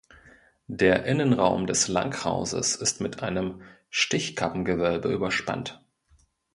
Der Innenraum des Langhauses ist mit einem Stichkappengewölbe überspannt.